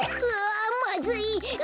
あまずい！